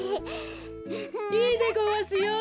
いいでごわすよ！